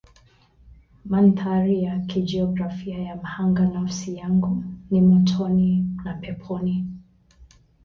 Mandhari ya kijiografia ya Mhanga Nafsi Yangu ni Motoni na Peponi